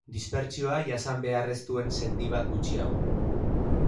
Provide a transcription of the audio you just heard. Dispertsioa jasan behar ez duen sendi bat gutxiago.